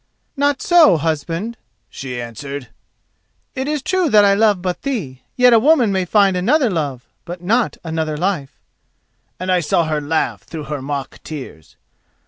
"'Not so, husband,' she answered. 'It is true that I love but thee; yet a woman may find another love, but not another life,' and I saw her laugh through her mock tears.